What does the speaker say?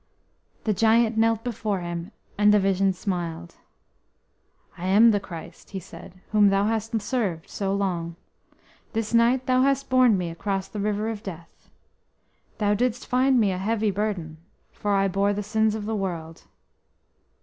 The giant knelt before Him, and the vision smiled. "I am the Christ," He said, "whom thou hast served so long. This night thou hast borne Me across the River of Death.... Thou didst find Me a heavy burden, for I bore the sins of the world."